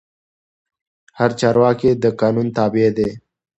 هر چارواکی د قانون تابع دی